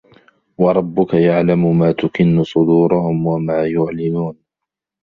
وَرَبُّكَ يَعلَمُ ما تُكِنُّ صُدورُهُم وَما يُعلِنونَ